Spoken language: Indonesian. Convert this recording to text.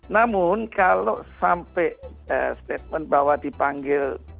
namun kalau sampai statement bahwa dipanggil